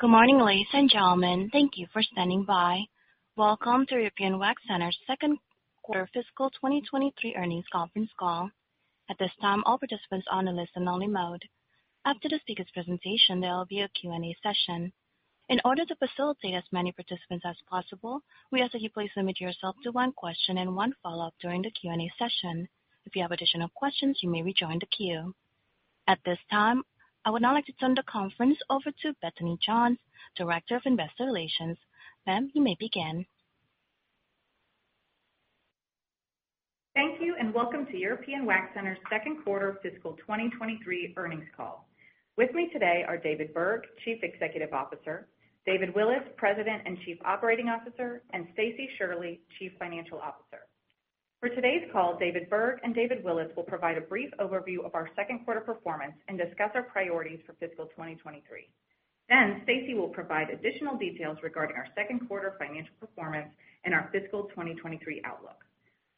Good morning, ladies and gentlemen. Thank you for standing by. Welcome to European Wax Center's second quarter fiscal 2023 earnings conference call. At this time, all participants are on a listen only mode. After the speaker's presentation, there will be a Q&A session. In order to facilitate as many participants as possible, we ask that you please limit yourself to one question and one follow-up during the Q&A session. If you have additional questions, you may rejoin the queue. At this time, I would now like to turn the conference over to Bethany Johns, Director of Investor Relations. Ma'am, you may begin. Thank you, welcome to European Wax Center's second quarter fiscal 2023 earnings call. With me today are David Berg, Chief Executive Officer; David Willis, President and Chief Operating Officer; and Stacie Shirley, Chief Financial Officer. For today's call, David Berg and David Willis will provide a brief overview of our second quarter performance and discuss our priorities for fiscal 2023. Stacie will provide additional details regarding our second quarter financial performance and our fiscal 2023 outlook.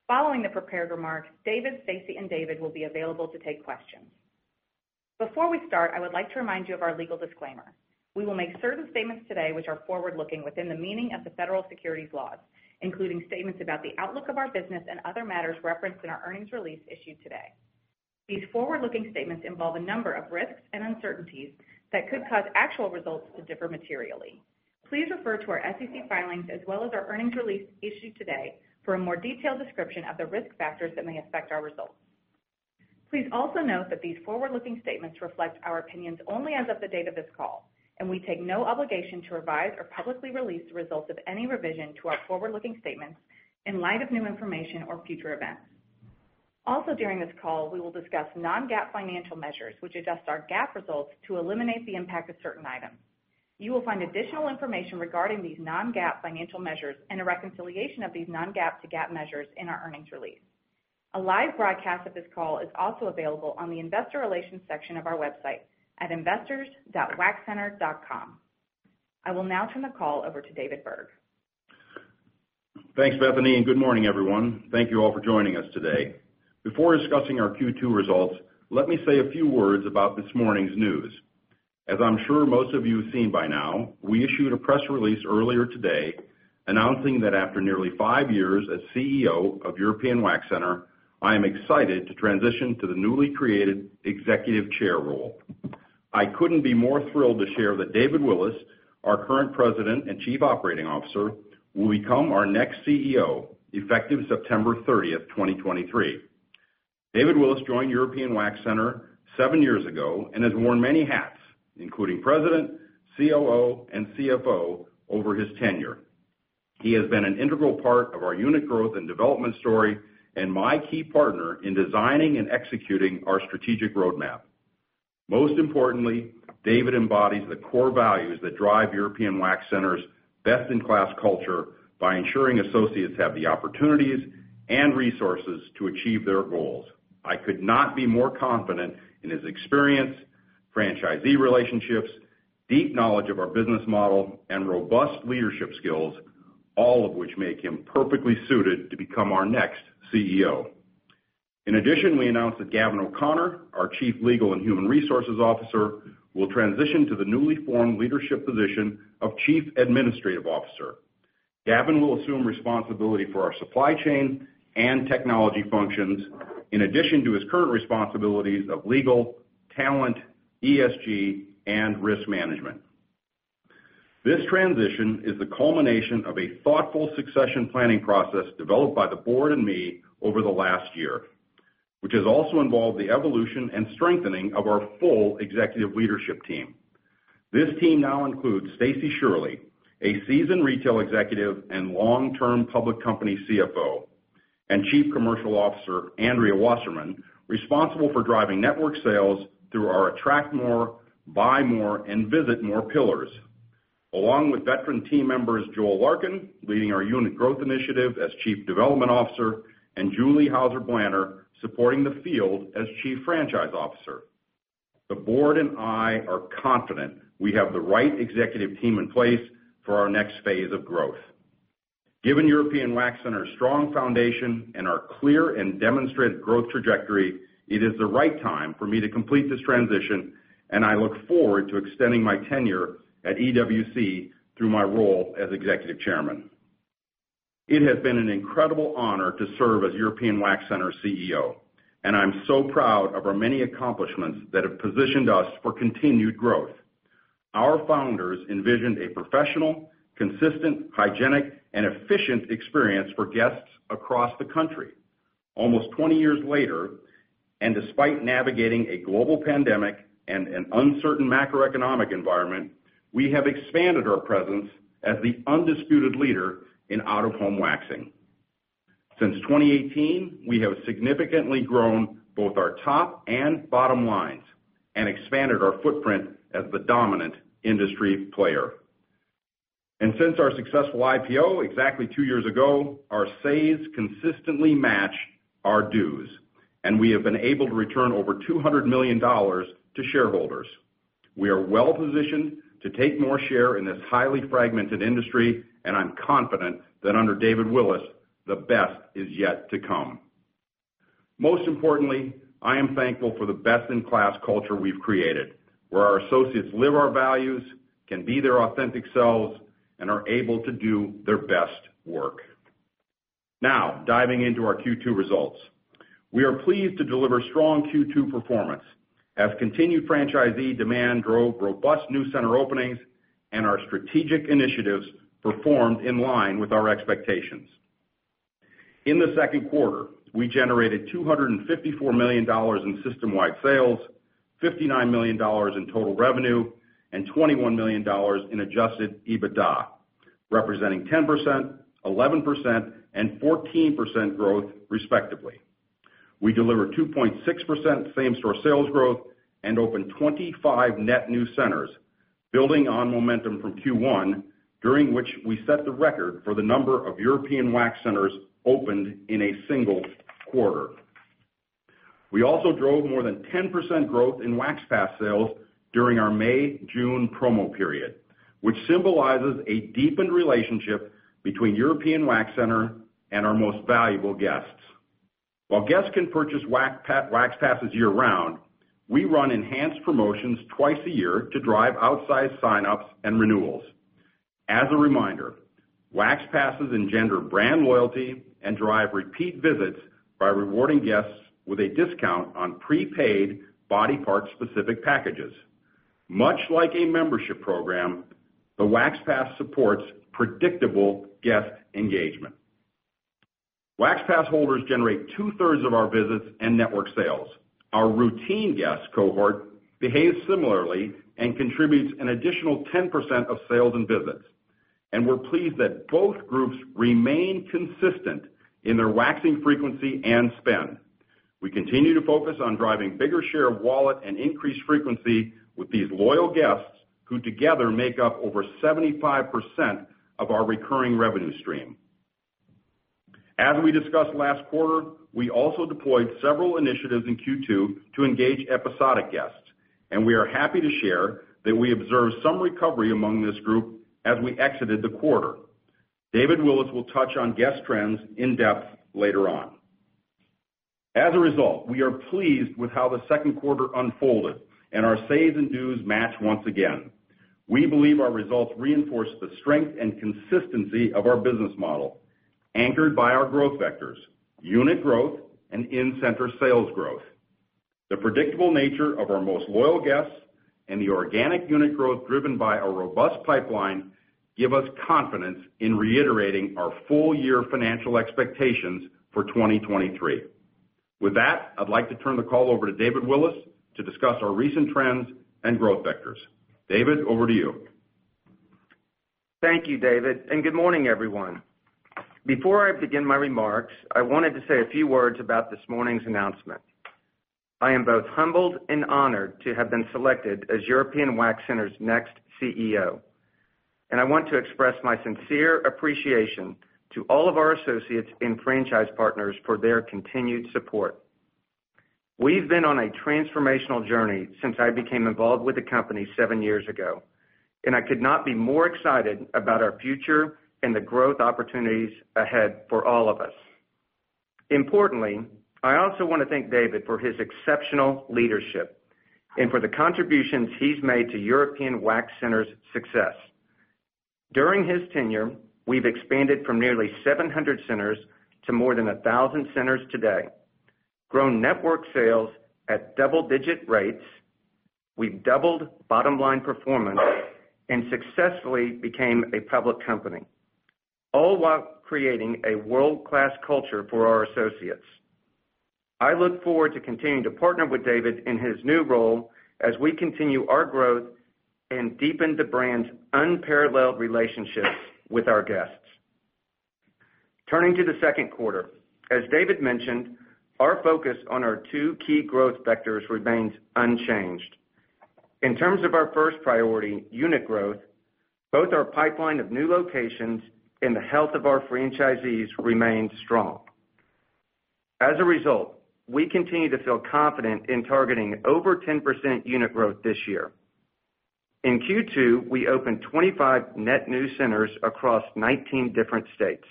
Following the prepared remarks, David, Stacie, and David will be available to take questions. Before we start, I would like to remind you of our legal disclaimer. We will make certain statements today which are forward-looking within the meaning of the Federal Securities laws, including statements about the outlook of our business and other matters referenced in our earnings release issued today. These forward-looking statements involve a number of risks and uncertainties that could cause actual results to differ materially. Please refer to our SEC filings as well as our earnings release issued today for a more detailed description of the risk factors that may affect our results. Please also note that these forward-looking statements reflect our opinions only as of the date of this call, and we take no obligation to revise or publicly release the results of any revision to our forward-looking statements in light of new information or future events. During this call, we will discuss non-GAAP financial measures, which adjust our GAAP results to eliminate the impact of certain items. You will find additional information regarding these non-GAAP financial measures and a reconciliation of these non-GAAP to GAAP measures in our earnings release. A live broadcast of this call is also available on the Investor Relations section of our website at investors.waxcenter.com. I will now turn the call over to David Berg. Thanks, Bethany. Good morning, everyone. Thank you all for joining us today. Before discussing our Q2 results, let me say a few words about this morning's news. As I'm sure most of you have seen by now, we issued a press release earlier today announcing that after nearly 5 years as CEO of European Wax Center, I am excited to transition to the newly created Executive Chair role. I couldn't be more thrilled to share that David Willis, our current President and Chief Operating Officer, will become our next CEO, effective September 30, 2023. David Willis joined European Wax Center 7 years ago and has worn many hats, including President, COO, and CFO over his tenure. He has been an integral part of our unit growth and development story, my key partner in designing and executing our strategic roadmap. Most importantly, David embodies the core values that drive European Wax Center's best-in-class culture by ensuring associates have the opportunities and resources to achieve their goals. I could not be more confident in his experience, franchisee relationships, deep knowledge of our business model, and robust leadership skills, all of which make him perfectly suited to become our next CEO. In addition, we announced that Gavin O'Connor, our Chief Legal and Human Resources Officer, will transition to the newly formed leadership position of Chief Administrative Officer. Gavin will assume responsibility for our supply chain and technology functions, in addition to his current responsibilities of legal, talent, ESG, and risk management. This transition is the culmination of a thoughtful succession planning process developed by the board and me over the last year, which has also involved the evolution and strengthening of our full executive leadership team. This team now includes Stacie Shirley, a seasoned retail executive and long-term public company CFO, and Chief Commercial Officer, Andrea Wasserman, responsible for driving network sales through our Attract More, Buy More, and Visit More pillars. Along with veteran team members, Joel Larkin, leading our unit growth initiative as Chief Development Officer, and Julie Hauser-Blanner, supporting the field as Chief Franchise Officer. The board and I are confident we have the right executive team in place for our next phase of growth. Given European Wax Center's strong foundation and our clear and demonstrated growth trajectory, it is the right time for me to complete this transition, and I look forward to extending my tenure at EWC through my role as Executive Chairman. It has been an incredible honor to serve as European Wax Center's CEO. I'm so proud of our many accomplishments that have positioned us for continued growth. Our founders envisioned a professional, consistent, hygienic, and efficient experience for guests across the country. Almost 20 years later, despite navigating a global pandemic and an uncertain macroeconomic environment, we have expanded our presence as the undisputed leader in out-of-home waxing. Since 2018, we have significantly grown both our top and bottom lines and expanded our footprint as the dominant industry player. Since our successful IPO exactly 2 years ago, our says consistently match our dues, and we have been able to return over $200 million to shareholders. We are well positioned to take more share in this highly fragmented industry. I'm confident that under David Willis, the best is yet to come. Most importantly, I am thankful for the best-in-class culture we've created, where our associates live our values, can be their authentic selves, and are able to do their best work. Now, diving into our Q2 results. We are pleased to deliver strong Q2 performance, as continued franchisee demand drove robust new center openings and our strategic initiatives performed in line with our expectations. In the second quarter, we generated $254 million in system-wide sales, $59 million in total revenue, and $21 million in Adjusted EBITDA, representing 10%, 11%, and 14% growth, respectively. We delivered 2.6% same-store sales growth and opened 25 net new centers, building on momentum from Q1, during which we set the record for the number of European Wax Centers opened in a single quarter. We also drove more than 10% growth in Wax Pass sales during our May-June promo period, which symbolizes a deepened relationship between European Wax Center and our most valuable guests. While guests can purchase Wax Passes year-round, we run enhanced promotions twice a year to drive outsized sign-ups and renewals. As a reminder, Wax Passes engender brand loyalty and drive repeat visits by rewarding guests with a discount on prepaid body part-specific packages. Much like a membership program, the Wax Pass supports predictable guest engagement. Wax Pass holders generate 2/3 of our visits and network sales. Our routine guest cohort behaves similarly and contributes an additional 10% of sales and visits, and we're pleased that both groups remain consistent in their waxing frequency and spend. We continue to focus on driving bigger share of wallet and increased frequency with these loyal guests, who together make up over 75% of our recurring revenue stream. As we discussed last quarter, we also deployed several initiatives in Q2 to engage episodic guests, we are happy to share that we observed some recovery among this group as we exited the quarter. David Willis will touch on guest trends in depth later on. As a result, we are pleased with how the second quarter unfolded, our says and dues match once again. We believe our results reinforce the strength and consistency of our business model, anchored by our growth vectors, unit growth, and in-center sales growth. The predictable nature of our most loyal guests and the organic unit growth driven by a robust pipeline give us confidence in reiterating our full-year financial expectations for 2023. With that, I'd like to turn the call over to David Willis to discuss our recent trends and growth vectors. David, over to you. Thank you, David, and good morning, everyone. Before I begin my remarks, I wanted to say a few words about this morning's announcement. I am both humbled and honored to have been selected as European Wax Center's next CEO, and I want to express my sincere appreciation to all of our associates and franchise partners for their continued support. We've been on a transformational journey since I became involved with the company seven years ago, and I could not be more excited about our future and the growth opportunities ahead for all of us. Importantly, I also want to thank David for his exceptional leadership and for the contributions he's made to European Wax Center's success. During his tenure, we've expanded from nearly 700 centers to more than 1,000 centers today, grown network sales at double-digit rates. We've doubled bottom-line performance and successfully became a public company, all while creating a world-class culture for our associates. I look forward to continuing to partner with David in his new role as we continue our growth and deepen the brand's unparalleled relationships with our guests. Turning to the second quarter, as David mentioned, our focus on our two key growth vectors remains unchanged. In terms of our first priority, unit growth, both our pipeline of new locations and the health of our franchisees remains strong. As a result, we continue to feel confident in targeting over 10% unit growth this year. In Q2, we opened 25 net new centers across 19 different states.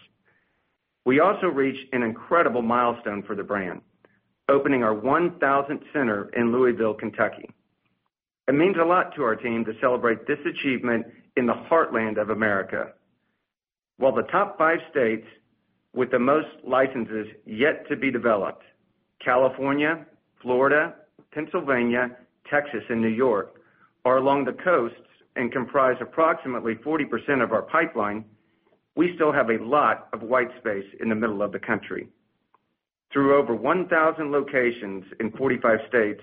We also reached an incredible milestone for the brand, opening our 1,000th center in Louisville, Kentucky. It means a lot to our team to celebrate this achievement in the heartland of America. While the top five states with the most licenses yet to be developed, California, Florida, Pennsylvania, Texas, and New York, are along the coasts and comprise approximately 40% of our pipeline, we still have a lot of white space in the middle of the country. Through over 1,000 locations in 45 states,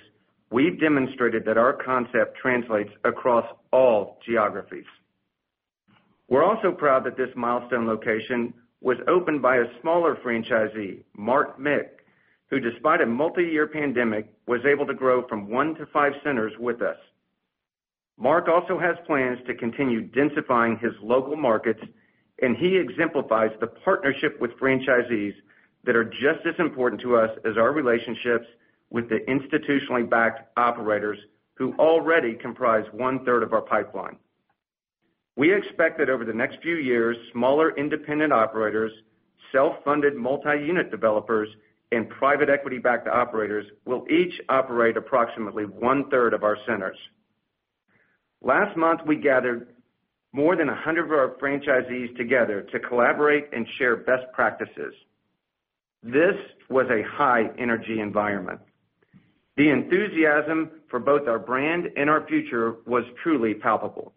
we've demonstrated that our concept translates across all geographies. We're also proud that this milestone location was opened by a smaller franchisee, Mark Mick, who, despite a multi-year pandemic, was able to grow from one to five centers with us. Mark also has plans to continue densifying his local markets. He exemplifies the partnership with franchisees that are just as important to us as our relationships with the institutionally backed operators, who already comprise 1/3 of our pipeline. We expect that over the next few years, smaller independent operators, self-funded multi-unit developers, and private equity-backed operators will each operate approximately 1/3 of our centers. Last month, we gathered more than 100 of our franchisees together to collaborate and share best practices. This was a high-energy environment. The enthusiasm for both our brand and our future was truly palpable.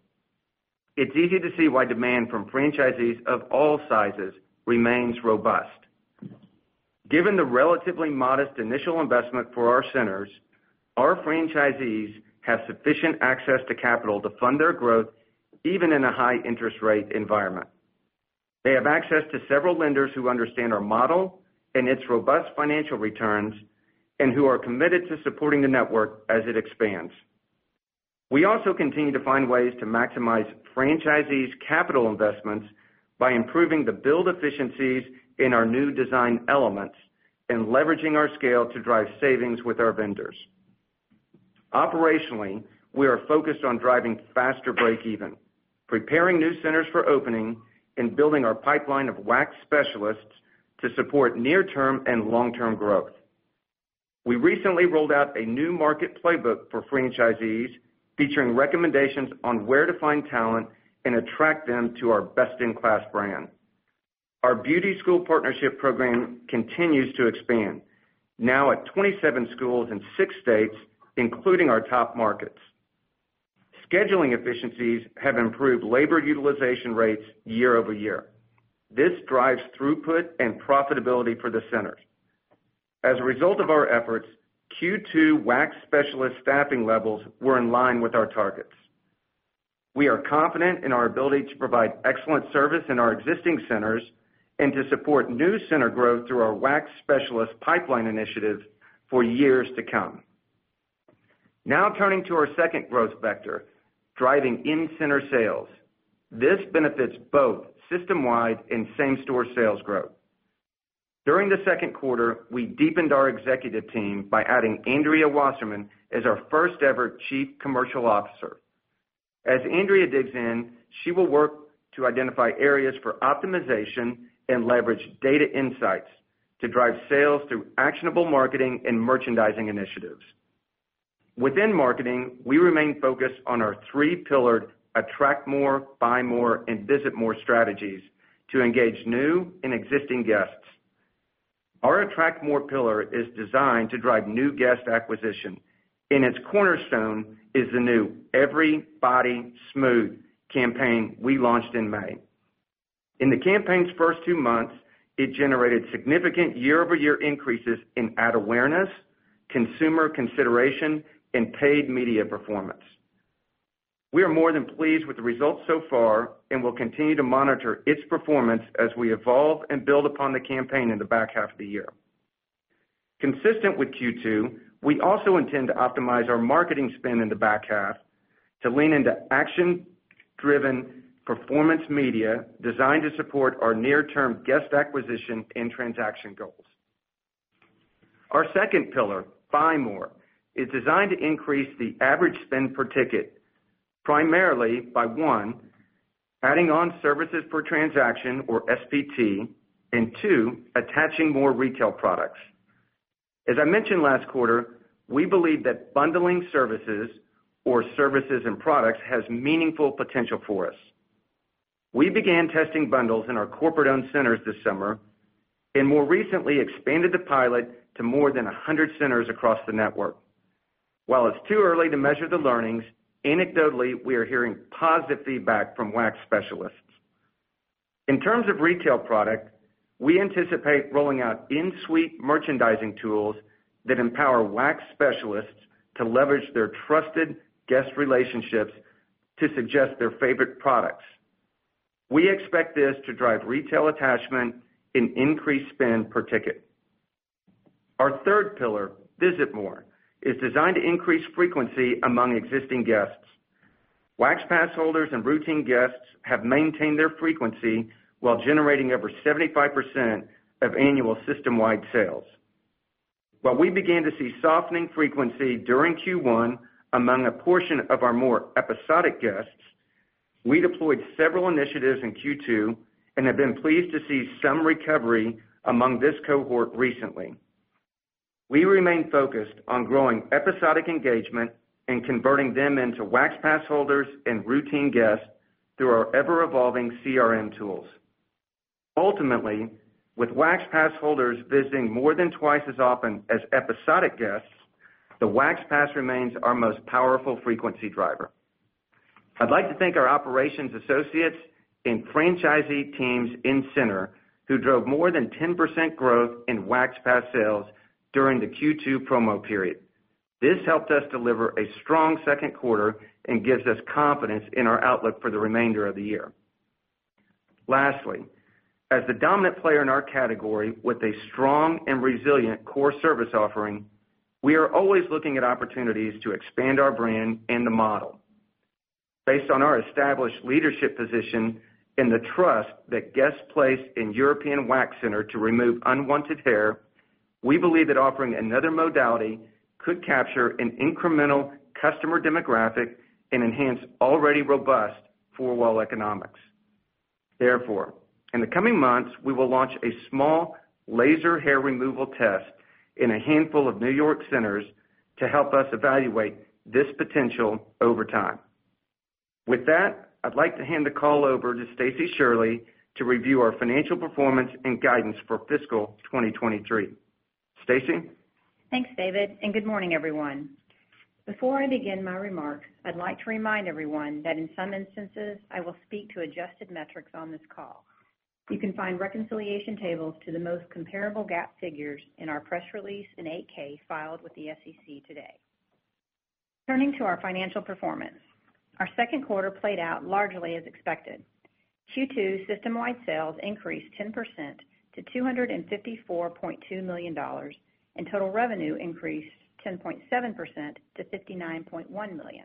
It's easy to see why demand from franchisees of all sizes remains robust. Given the relatively modest initial investment for our centers, our franchisees have sufficient access to capital to fund their growth, even in a high interest rate environment. They have access to several lenders who understand our model and its robust financial returns, and who are committed to supporting the network as it expands. We also continue to find ways to maximize franchisees' capital investments by improving the build efficiencies in our new design elements and leveraging our scale to drive savings with our vendors. Operationally, we are focused on driving faster break even, preparing new centers for opening, and building our pipeline of Wax Specialists to support near-term and long-term growth. We recently rolled out a new market playbook for franchisees, featuring recommendations on where to find talent and attract them to our best-in-class brand. Our beauty school partnership program continues to expand, now at 27 schools in six states, including our top markets. Scheduling efficiencies have improved labor utilization rates year-over-year. This drives throughput and profitability for the centers. As a result of our efforts, Q2 Wax Specialists staffing levels were in line with our targets. We are confident in our ability to provide excellent service in our existing centers and to support new center growth through our Wax Specialists pipeline initiative for years to come. Now turning to our second growth vector, driving in-center sales. This benefits both system-wide and same-store sales growth. During the second quarter, we deepened our executive team by adding Andrea Wasserman as our first-ever Chief Commercial Officer. As Andrea digs in, she will work to identify areas for optimization and leverage data insights to drive sales through actionable marketing and merchandising initiatives. Within marketing, we remain focused on our three-pillared Attract More, Buy More, and Visit More strategies to engage new and existing guests. Our Attract More pillar is designed to drive new guest acquisition, and its cornerstone is the new Every Body Smooth campaign we launched in May. In the campaign's first 2 months, it generated significant year-over-year increases in ad awareness, consumer consideration, and paid media performance. We are more than pleased with the results so far and will continue to monitor its performance as we evolve and build upon the campaign in the back half of the year. Consistent with Q2, we also intend to optimize our marketing spend in the back half to lean into action-driven performance media designed to support our near-term guest acquisition and transaction goals. Our second pillar, Buy More, is designed to increase the average spend per ticket, primarily by, one, adding on services per transaction, or SPT, and two, attaching more retail products. As I mentioned last quarter, we believe that bundling services or services and products has meaningful potential for us. We began testing bundles in our corporate-owned centers this summer and more recently expanded the pilot to more than 100 centers across the network. While it's too early to measure the learnings, anecdotally, we are hearing positive feedback from Wax Specialists. In terms of retail product, we anticipate rolling out in-suite merchandising tools that empower Wax Specialists to leverage their trusted guest relationships to suggest their favorite products. We expect this to drive retail attachment and increase spend per ticket. Our third pillar, Visit More, is designed to increase frequency among existing guests. Wax Pass holders and routine guests have maintained their frequency while generating over 75% of annual system-wide sales. While we began to see softening frequency during Q1 among a portion of our more episodic guests, we deployed several initiatives in Q2 and have been pleased to see some recovery among this cohort recently. We remain focused on growing episodic engagement and converting them into Wax Pass holders and routine guests through our ever-evolving CRM tools. Ultimately, with Wax Pass holders visiting more than twice as often as episodic guests, the Wax Pass remains our most powerful frequency driver. I'd like to thank our operations associates and franchisee teams in center, who drove more than 10% growth in Wax Pass sales during the Q2 promo period. This helped us deliver a strong second quarter and gives us confidence in our outlook for the remainder of the year. Lastly, as the dominant player in our category, with a strong and resilient core service offering, we are always looking at opportunities to expand our brand and the model. Based on our established leadership position and the trust that guests place in European Wax Center to remove unwanted hair,... We believe that offering another modality could capture an incremental customer demographic and enhance already robust four-wall economics. Therefore, in the coming months, we will launch a small laser hair removal test in a handful of New York centers to help us evaluate this potential over time. With that, I'd like to hand the call over to Stacie Shirley to review our financial performance and guidance for fiscal 2023. Stacie? Thanks, David. Good morning, everyone. Before I begin my remarks, I'd like to remind everyone that in some instances, I will speak to adjusted metrics on this call. You can find reconciliation tables to the most comparable GAAP figures in our press release and 8-K filed with the SEC today. Turning to our financial performance, our second quarter played out largely as expected. Q2 system-wide sales increased 10% to $254.2 million, and total revenue increased 10.7% to $59.1 million.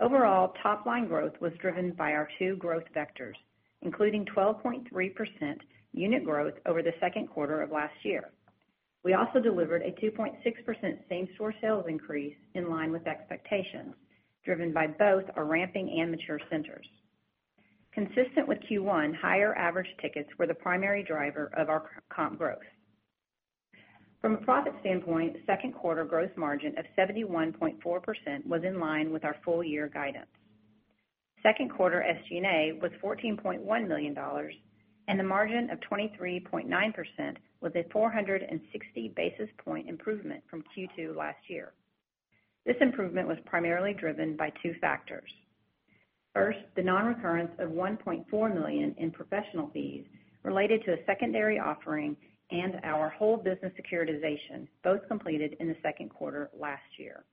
Overall, top-line growth was driven by our two growth vectors, including 12.3% unit growth over the second quarter of last year. We also delivered a 2.6% same-store sales increase in line with expectations, driven by both our ramping and mature centers. Consistent with Q1, higher average tickets were the primary driver of our comp growth. From a profit standpoint, second quarter growth margin of 71.4% was in line with our full-year guidance. Second quarter SG&A was $14.1 million, and the margin of 23.9% was a 460 basis point improvement from Q2 last year. This improvement was primarily driven by two factors. First, the nonrecurrence of $1.4 million in professional fees related to a secondary offering and our whole business securitization, both completed in the second quarter last year.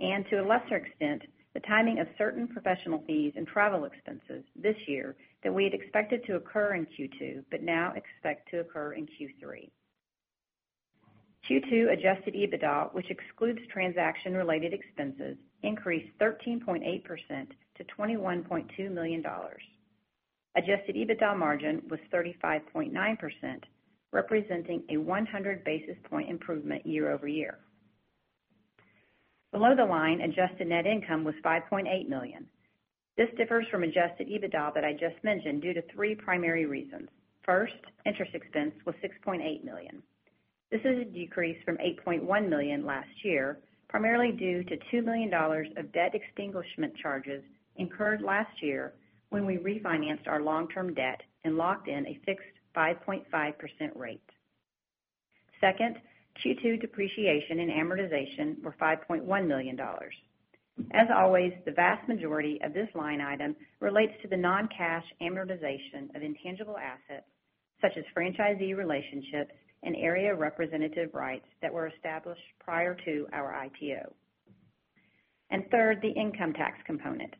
To a lesser extent, the timing of certain professional fees and travel expenses this year that we had expected to occur in Q2, but now expect to occur in Q3. Q2 Adjusted EBITDA, which excludes transaction-related expenses, increased 13.8% to $21.2 million. Adjusted EBITDA margin was 35.9%, representing a 100 basis point improvement year-over-year. Below the line, adjusted net income was $5.8 million. This differs from Adjusted EBITDA that I just mentioned due to three primary reasons. First, interest expense was $6.8 million. This is a decrease from $8.1 million last year, primarily due to $2 million of debt extinguishment charges incurred last year when we refinanced our long-term debt and locked in a fixed 5.5% rate. Second, Q2 depreciation and amortization were $5.1 million. As always, the vast majority of this line item relates to the non-cash amortization of intangible assets, such as franchisee relationships and area representative rights that were established prior to our IPO. Third, the income tax component.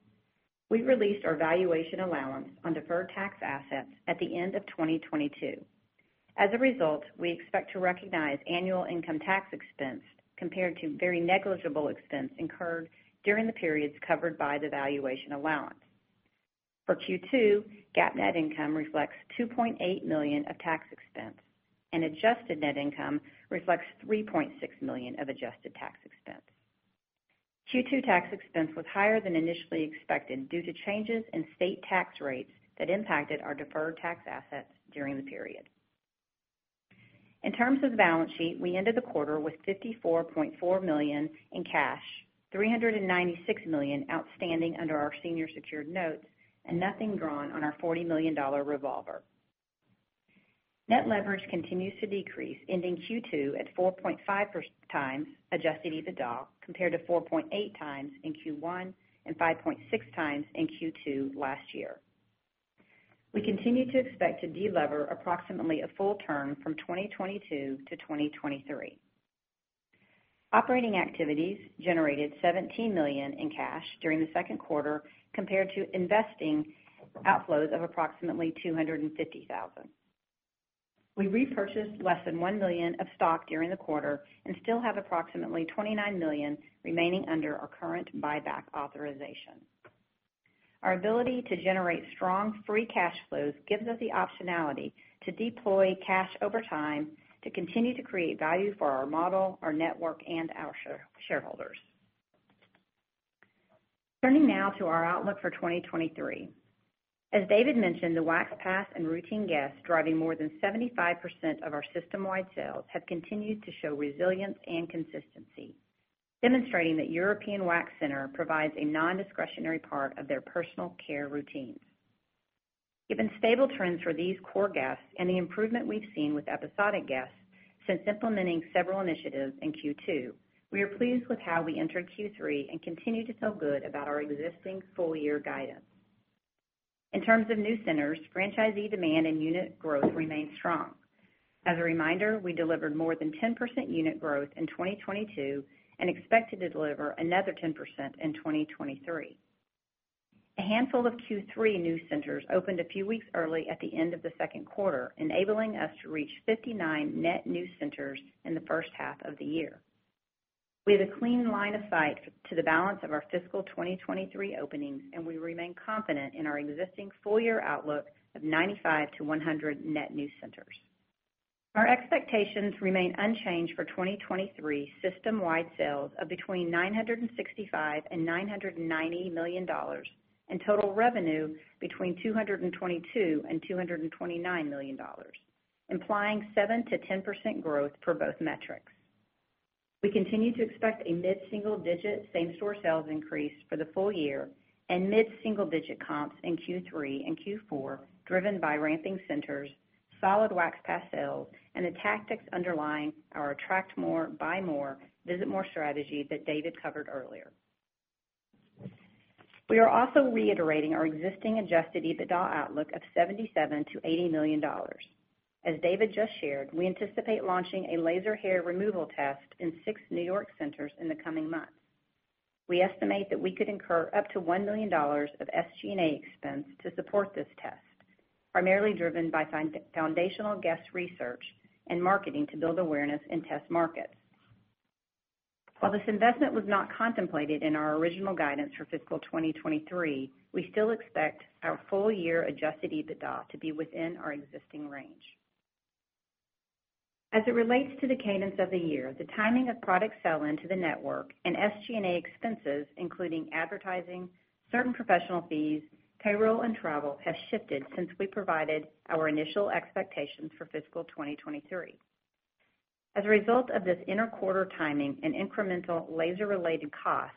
We released our valuation allowance on deferred tax assets at the end of 2022. As a result, we expect to recognize annual income tax expense compared to very negligible expense incurred during the periods covered by the valuation allowance. For Q2, GAAP net income reflects $2.8 million of tax expense, and adjusted net income reflects $3.6 million of adjusted tax expense. Q2 tax expense was higher than initially expected due to changes in state tax rates that impacted our deferred tax assets during the period. In terms of the balance sheet, we ended the quarter with $54.4 million in cash, $396 million outstanding under our Senior Secured Notes, and nothing drawn on our $40 million revolver. Net leverage continues to decrease, ending Q2 at 4.5x Adjusted EBITDA, compared to 4.8x in Q1 and 5.6x in Q2 last year. We continue to expect to delever approximately a full term from 2022 to 2023. Operating activities generated $17 million in cash during the second quarter, compared to investing outflows of approximately $250,000. We repurchased less than $1 million of stock during the quarter and still have approximately $29 million remaining under our current buyback authorization. Our ability to generate strong free cash flows gives us the optionality to deploy cash over time to continue to create value for our model, our network, and our shareholders. Turning now to our outlook for 2023. As David mentioned, the Wax Pass and routine guests, driving more than 75% of our system-wide sales, have continued to show resilience and consistency, demonstrating that European Wax Center provides a non-discretionary part of their personal care routines. Given stable trends for these core guests and the improvement we've seen with episodic guests since implementing several initiatives in Q2, we are pleased with how we entered Q3 and continue to feel good about our existing full-year guidance. In terms of new centers, franchisee demand and unit growth remain strong. As a reminder, we delivered more than 10% unit growth in 2022 and expect to deliver another 10% in 2023. A handful of Q3 new centers opened a few weeks early at the end of the second quarter, enabling us to reach 59 net new centers in the first half of the year. We have a clean line of sight to the balance of our fiscal 2023 openings, and we remain confident in our existing full year outlook of 95 to 100 net new centers. Our expectations remain unchanged for 2023 system-wide sales of between $965 million and $990 million, and total revenue between $222 million and $229 million, implying 7%-10% growth for both metrics. We continue to expect a mid-single digit same-store sales increase for the full year and mid-single digit comps in Q3 and Q4, driven by ramping centers, solid Wax Pass sales, and the tactics underlying our Attract More, Buy More, Visit More strategy that David covered earlier. We are also reiterating our existing Adjusted EBITDA outlook of $77 million-$80 million. As David just shared, we anticipate launching a laser hair removal test in 6 New York centers in the coming months. We estimate that we could incur up to $1 million of SG&A expense to support this test, primarily driven by foundational guest research and marketing to build awareness in test markets. While this investment was not contemplated in our original guidance for fiscal 2023, we still expect our full year Adjusted EBITDA to be within our existing range. As it relates to the cadence of the year, the timing of product sell into the network and SG&A expenses, including advertising, certain professional fees, payroll and travel, have shifted since we provided our initial expectations for fiscal 2023. As a result of this interquarter timing and incremental laser-related costs,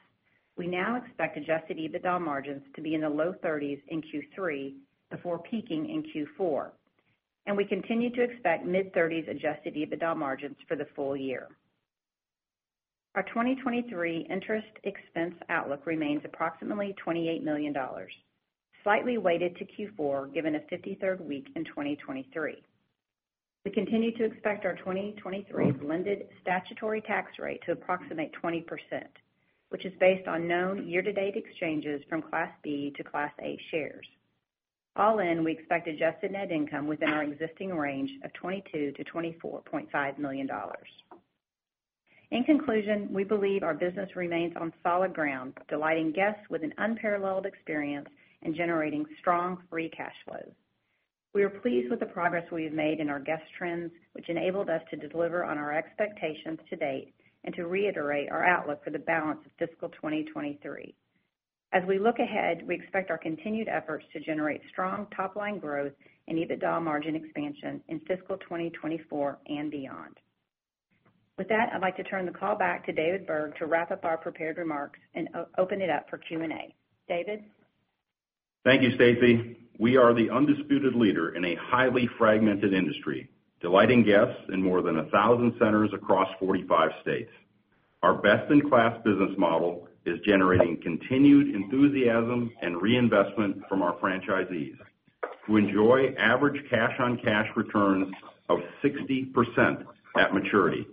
we now expect Adjusted EBITDA margins to be in the low 30s in Q3 before peaking in Q4, and we continue to expect mid-30s Adjusted EBITDA margins for the full year. Our 2023 interest expense outlook remains approximately $28 million, slightly weighted to Q4, given a 53rd week in 2023. We continue to expect our 2023 blended statutory tax rate to approximate 20%, which is based on known year-to-date exchanges from Class B to Class A shares. All in, we expect adjusted net income within our existing range of $22 million-$24.5 million. In conclusion, we believe our business remains on solid ground, delighting guests with an unparalleled experience and generating strong free cash flows. We are pleased with the progress we have made in our guest trends, which enabled us to deliver on our expectations to date and to reiterate our outlook for the balance of fiscal 2023. As we look ahead, we expect our continued efforts to generate strong top line growth and EBITDA margin expansion in fiscal 2024 and beyond. With that, I'd like to turn the call back to David Berg to wrap up our prepared remarks and open it up for Q&A. David? Thank you, Stacie. We are the undisputed leader in a highly fragmented industry, delighting guests in more than 1,000 centers across 45 states. Our best-in-class business model is generating continued enthusiasm and reinvestment from our franchisees, who enjoy average cash-on-cash returns of 60% at maturity.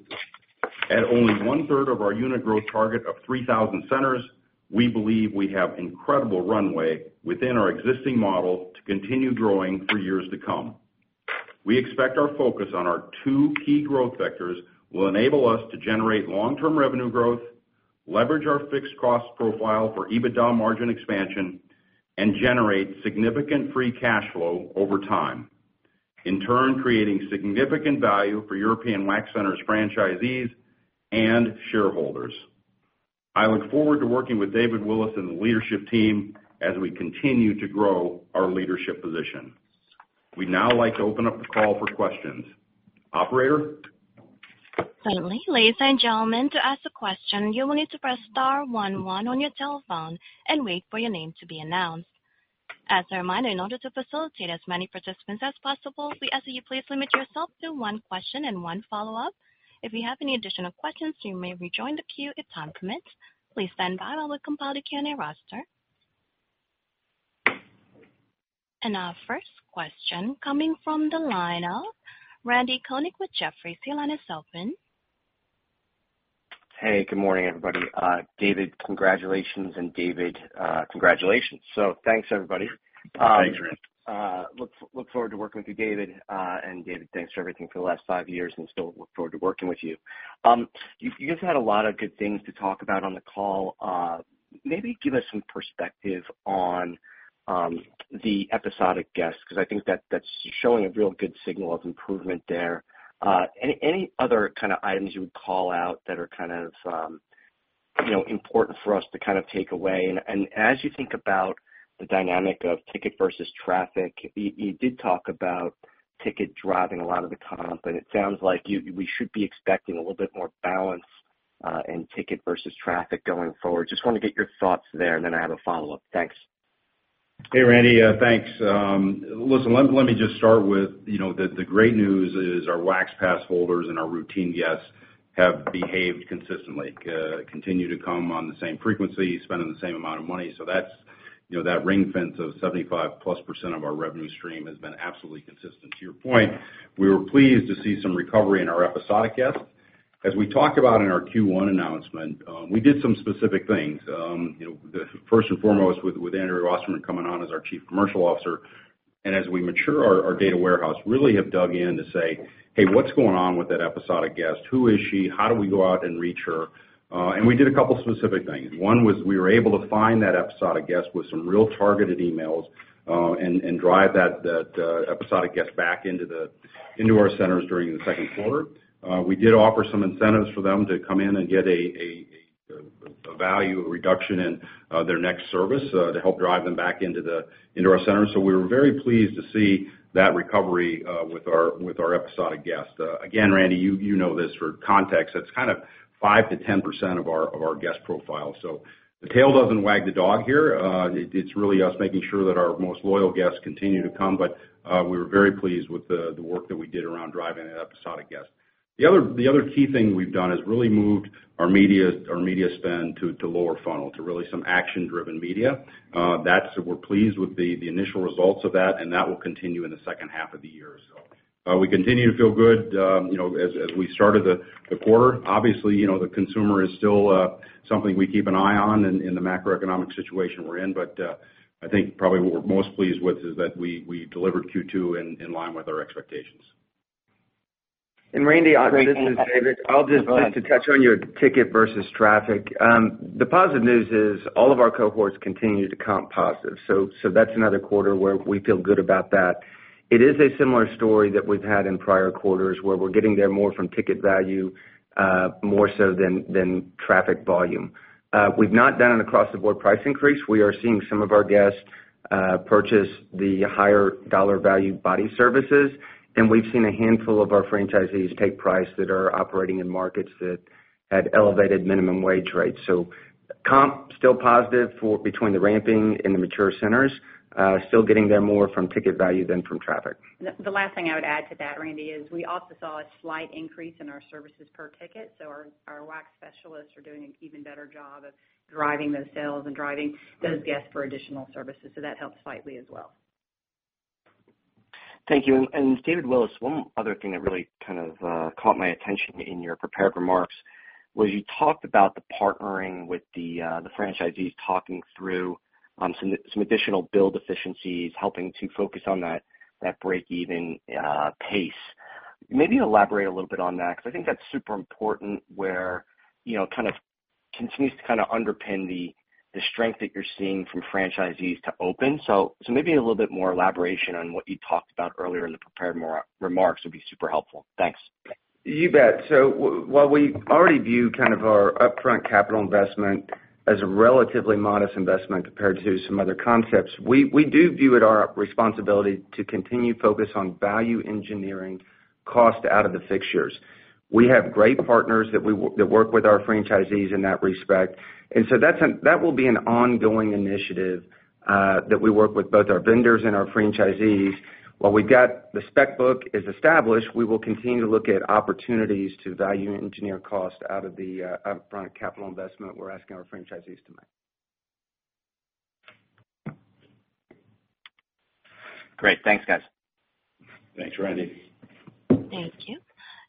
At only 1/3 of our unit growth target of 3,000 centers, we believe we have incredible runway within our existing model to continue growing for years to come. We expect our focus on our two key growth vectors will enable us to generate long-term revenue growth, leverage our fixed cost profile for EBITDA margin expansion, and generate significant free cash flow over time, in turn, creating significant value for European Wax Center's franchisees and shareholders. I look forward to working with David Willis and the leadership team as we continue to grow our leadership position. We'd now like to open up the call for questions. Operator? Certainly. Ladies and gentlemen, to ask a question, you will need to press star one one on your telephone and wait for your name to be announced. As a reminder, in order to facilitate as many participants as possible, we ask that you please limit yourself to one question and one follow-up. If you have any additional questions, you may rejoin the queue if time permits. Please stand by while we compile the Q&A roster. Our first question coming from the line of Randy Konik with Jefferies. The line is open. Hey, good morning, everybody. David, congratulations, and David, congratulations. Thanks, everybody. Thanks, Randy. Look, look forward to working with you, David. And David, thanks for everything for the last five years, and still look forward to working with you. You, you guys had a lot of good things to talk about on the call. Maybe give us some perspective on the episodic guests, because I think that that's showing a real good signal of improvement there. Any, any other kind of items you would call out that are kind of, you know, important for us to kind of take away? And as you think about the dynamic of ticket versus traffic, you did talk about ticket driving a lot of the comp, and it sounds like we should be expecting a little bit more balance in ticket versus traffic going forward. Just want to get your thoughts there, and then I have a follow-up. Thanks. Hey, Randy, thanks. Listen, let, let me just start with, you know, the, the great news is our Wax Pass holders and our routine guests have behaved consistently, continue to come on the same frequency, spending the same amount of money. That's, you know, that ring fence of 75%+ of our revenue stream has been absolutely consistent. To your point, we were pleased to see some recovery in our episodic guests. As we talked about in our Q1 announcement, we did some specific things. You know, the first and foremost, with, with Andrea Wasserman coming on as our Chief Commercial Officer, and as we mature, our, our data warehouse really have dug in to say, "Hey, what's going on with that episodic guest? Who is she? How do we go out and reach her?" We did a couple specific things. One was we were able to find that episodic guest with some real targeted emails, and drive that episodic guest back into our centers during the second quarter. We did offer some incentives for them to come in and get a value reduction in their next service to help drive them back into our center. We were very pleased to see that recovery with our episodic guests. Again, Randy, you know this for context, that's kind of 5%-10% of our guest profile. The tail doesn't wag the dog here. It's really us making sure that our most loyal guests continue to come. We were very pleased with the work that we did around driving that episodic guest. The other, the other key thing we've done is really moved our media, our media spend to, to lower funnel, to really some action-driven media. We're pleased with the initial results of that, and that will continue in the second half of the year or so. We continue to feel good, you know, as, as we started the, the quarter. Obviously, you know, the consumer is still something we keep an eye on in, in the macroeconomic situation we're in, but, I think probably what we're most pleased with is that we, we delivered Q2 in, in line with our expectations. Randy, this is David. I'll just to touch on your ticket versus traffic. The positive news is all of our cohorts continue to comp positive, so that's another quarter where we feel good about that. It is a similar story that we've had in prior quarters, where we're getting there more from ticket value, more so than traffic volume. We've not done an across-the-board price increase. We are seeing some of our guests purchase the higher dollar value body services, and we've seen a handful of our franchisees take price that are operating in markets that had elevated minimum wage rates. Comp, still positive for between the ramping and the mature centers. Still getting there more from ticket value than from traffic. The, the last thing I would add to that, Randy, is we also saw a slight increase in our services per ticket, so our, our Wax Specialists are doing an even better job of driving those sales and driving those guests for additional services, so that helps slightly as well. Thank you. David Willis, one other thing that really kind of caught my attention in your prepared remarks was you talked about the partnering with the franchisees, talking through some additional build efficiencies, helping to focus on that, that break even pace. Maybe elaborate a little bit on that, because I think that's super important, where, you know, kind of continues to kinda underpin the strength that you're seeing from franchisees to open. Maybe a little bit more elaboration on what you talked about earlier in the prepared remarks would be super helpful. Thanks. You bet. While we already view kind of our upfront capital investment as a relatively modest investment compared to some other concepts, we do view it our responsibility to continue focus on value engineering cost out of the fixtures. We have great partners that work with our franchisees in that respect. That's an ongoing initiative that we work with both our vendors and our franchisees. While we've got the spec book is established, we will continue to look at opportunities to value engineer cost out of the upfront capital investment we're asking our franchisees to make. Great. Thanks, guys. Thanks, Randy. Thank you.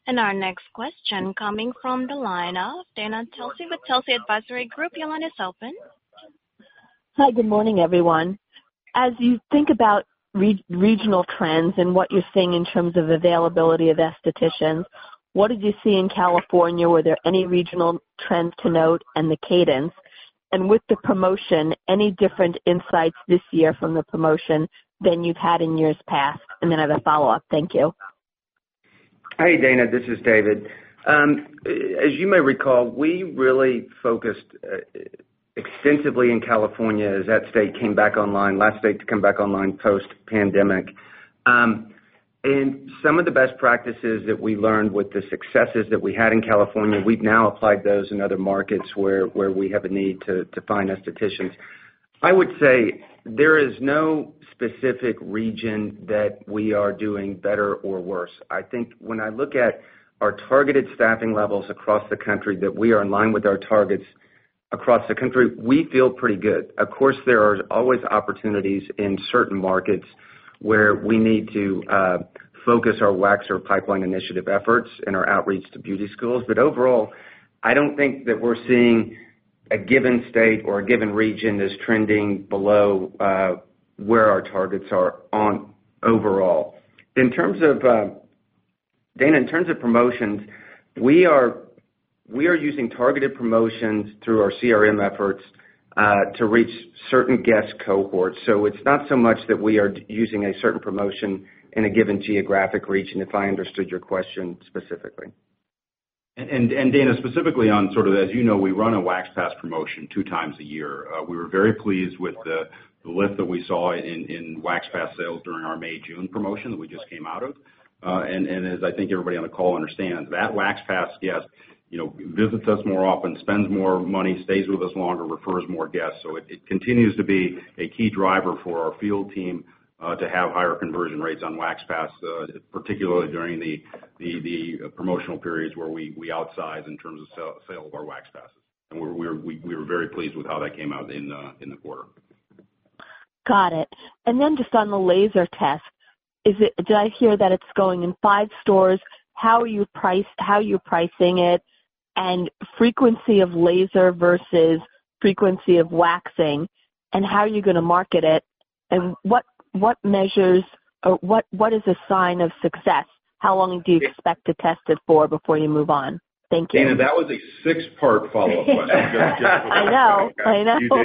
Our next question coming from the line of Dana Telsey with Telsey Advisory Group. Your line is open. Hi, good morning, everyone. As you think about regional trends and what you're seeing in terms of availability of aestheticians, what did you see in California? Were there any regional trends to note and the cadence? With the promotion, any different insights this year from the promotion than you've had in years past? Then I have a follow-up. Thank you. Hey, Dana, this is David. As you may recall, we really focused extensively in California as that state came back online, last state to come back online post-pandemic. Some of the best practices that we learned with the successes that we had in California, we've now applied those in other markets where we have a need to find aestheticians. I would say there is no specific region that we are doing better or worse. I think when I look at our targeted staffing levels across the country, that we are in line with our targets across the country, we feel pretty good. Of course, there are always opportunities in certain markets where we need to focus our waxer pipeline initiative efforts and our outreach to beauty schools. Overall, I don't think that we're seeing a given state or a given region is trending below where our targets are on overall. In terms of, Dana, in terms of promotions, we are, we are using targeted promotions through our CRM efforts to reach certain guest cohorts. It's not so much that we are using a certain promotion in a given geographic region, if I understood your question specifically. Dana, specifically on sort of as you know, we run a Wax Pass promotion 2x a year. We were very pleased with the, the lift that we saw in, in Wax Pass sales during our May, June promotion that we just came out of. As I think everybody on the call understands, that Wax Pass guest, you know, visits us more often, spends more money, stays with us longer, refers more guests. It continues to be a key driver for our field team, to have higher conversion rates on Wax Pass, particularly during the, the, the promotional periods where we, we outsize in terms of sale of our Wax Passes. We were very pleased with how that came out in the quarter. Got it. Then just on the laser test-... Is it, did I hear that it's going in 5 stores? How are you price- how are you pricing it? Frequency of laser versus frequency of waxing, and how are you going to market it? What, what measures or what, what is a sign of success? How long do you expect to test it for before you move on? Thank you. Dana, that was a 6-part follow-up question. I know, I know.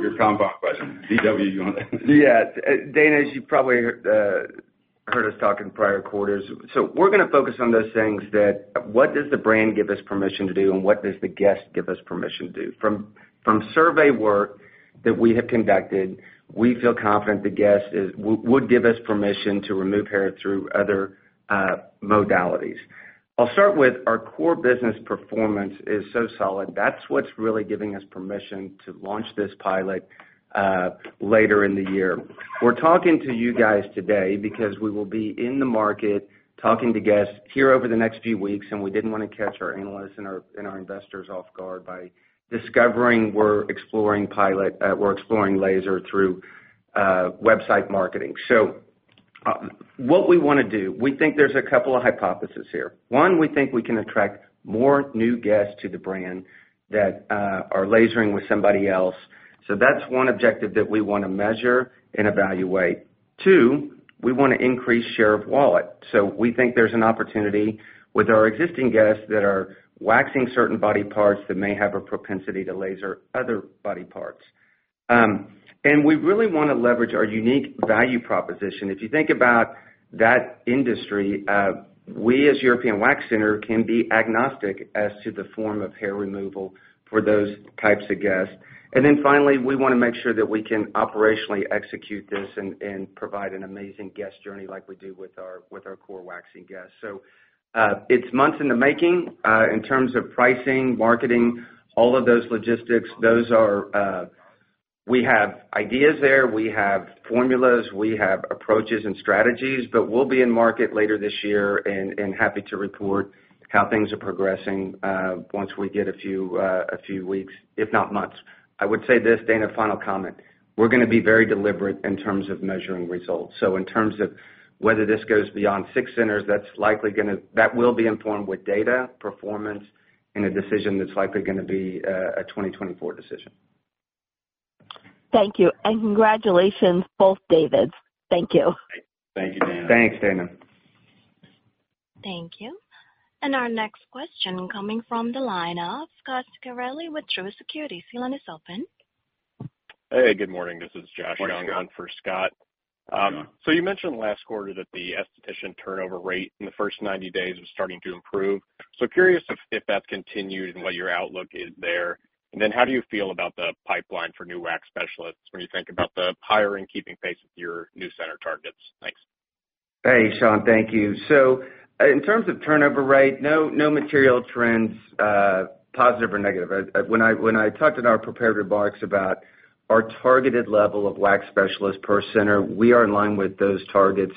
Your compound question. D.W., you want to? Yeah. Dana, as you probably heard heard us talk in prior quarters, we're going to focus on those things that what does the brand give us permission to do, and what does the guest give us permission to do? From, from survey work that we have conducted, we feel confident the guest would, would give us permission to remove hair through other modalities. I'll start with our core business performance is so solid. That's what's really giving us permission to launch this pilot later in the year. We're talking to you guys today because we will be in the market talking to guests here over the next few weeks, we didn't want to catch our analysts and our investors off guard by discovering we're exploring pilot, we're exploring laser through website marketing. What we want to do, we think there's a couple of hypotheses here. One, we think we can attract more new guests to the brand that are lasering with somebody else. That's one objective that we want to measure and evaluate. Two, we want to increase share of wallet. We think there's an opportunity with our existing guests that are waxing certain body parts that may have a propensity to laser other body parts. And we really want to leverage our unique value proposition. If you think about that industry, we, as European Wax Center, can be agnostic as to the form of hair removal for those types of guests. Then finally, we want to make sure that we can operationally execute this and, and provide an amazing guest journey like we do with our, with our core waxing guests. It's months in the making, in terms of pricing, marketing, all of those logistics, those are. We have ideas there, we have formulas, we have approaches and strategies, but we'll be in market later this year and happy to report how things are progressing, once we get a few, a few weeks, if not months. I would say this, Dana, final comment: We're going to be very deliberate in terms of measuring results. In terms of whether this goes beyond 6 centers, that's likely going to-- that will be informed with data, performance, and a decision that's likely going to be a 2024 decision. Thank you, and congratulations, both Davids. Thank you. Thank you, Dana. Thanks, Dana. Thank you. Our next question coming from the line of Scot Ciccarelli with Truist Securities. Your line is open. Hey, good morning. This is Josh Young- Morning, Josh. -on for Scot. So you mentioned last quarter that the esthetician turnover rate in the first 90 days was starting to improve. Curious if, if that's continued and what your outlook is there. Then how do you feel about the pipeline for new Wax Specialists when you think about the hiring, keeping pace with your new center targets? Thanks. Hey, Josh, thank you. In terms of turnover rate, no, no material trends, positive or negative. When I, when I talked in our prepared remarks about our targeted level of Wax Specialists per center, we are in line with those targets